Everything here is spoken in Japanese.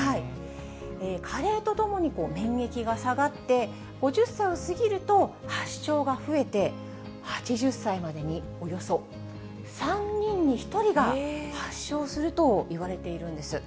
加齢とともに免疫が下がって、５０歳を過ぎると発症が増えて、８０歳までにおよそ３人に１人が発症するといわれているんです。